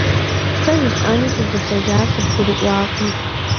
Сэ жысӏэну сызыхуеяр къыбгурыӏуакъым.